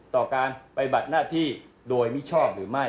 ต่อการไปบัดหน้าที่โดยมิชช่องหรือไม่